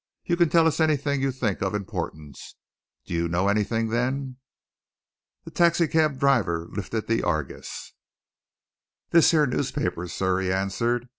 You can tell us anything you think of importance. Do you know anything, then?" The taxi cab driver lifted the Argus. "This here newspaper, sir," he answered.